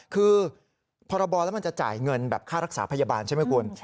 คือพรบแล้วมันจะจ่ายเงินแบบค่ารักษาพยาบาลใช่ไหมคุณ